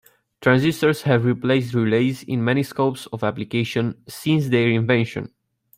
Transistors have replaced relays in many scopes of application since their invention.